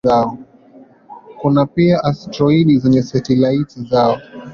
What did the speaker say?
Kuna pia asteroidi zenye satelaiti zao.